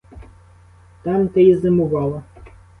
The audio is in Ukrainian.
Там ти й зимувала?